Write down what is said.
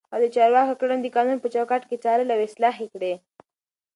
هغه د چارواکو کړنې د قانون په چوکاټ کې څارلې او اصلاح يې کړې.